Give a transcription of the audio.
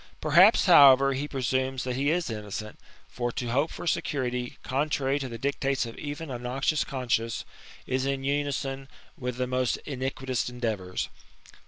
Perhaps, however, he presumes that he is innocent ; for to hope for security, contrary to the dictates of even a noxious conscience, is in unison with the most iniquitous endeavours.